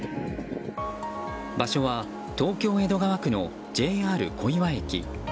場所は東京・江戸川区のＪＲ小岩駅。